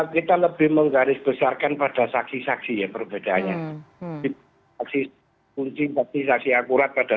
kita lebih menggaris besarkan pada saksi saksi perbedaannya